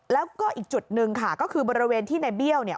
แล้วก็อีกจุดหนึ่งค่ะก็คือบริเวณที่ในเบี้ยวเนี่ย